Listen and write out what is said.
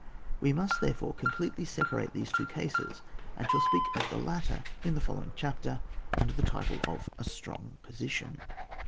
We must, therefore, completely sepa rate these two cases, and shall speak of the latter in the following chapter, under the title of a strong position.